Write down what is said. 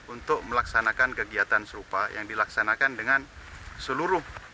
untuk melaksanakan kegiatan serupa yang dilaksanakan dengan seluruh